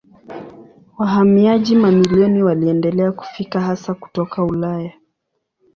Wahamiaji mamilioni waliendelea kufika hasa kutoka Ulaya.